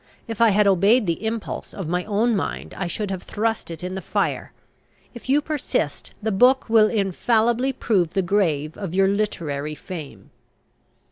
If I had obeyed the impulse of my own mind, I should have thrust it in the fire. If you persist, the book will infallibly prove the grave of your literary fame."